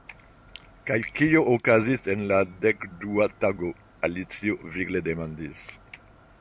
"Kaj kio okazis en la dekdua tago," Alicio vigle demandis.